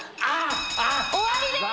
終わりです！